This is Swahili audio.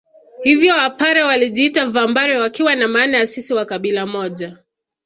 Hivyo Wapare walijiita Vambare wakiwa na maana ya sisi wa kabila moja